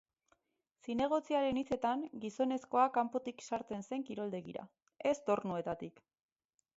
Zinegotziaren hitzetan, gizonezkoa kanpotik sartzen zen kiroldegira, ez tornuetatik.